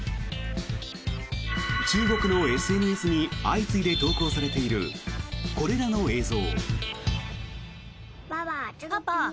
中国のＳＮＳに相次いで投稿されているこれらの映像。